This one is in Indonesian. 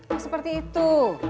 gak seperti itu